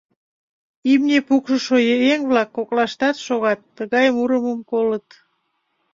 Имне пукшышо еҥ-влак колышташ шогат, тыгай мурымым колыт: